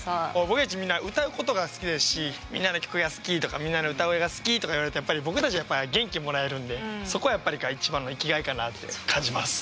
僕たちみんな歌うことが好きですしみんなの曲が好きとかみんなの歌声が好きとか言われるとやっぱり僕たちやっぱり元気もらえるんでそこがやっぱり一番の生きがいかなって感じます。